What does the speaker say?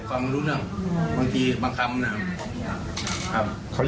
ก็เลยบีดไปเลย